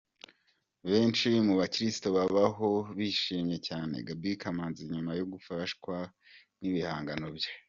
Benshi mu bakristo baho bishimiye cyane Gaby Kamanzi nyuma yo gufashwa n’ibihangano bye.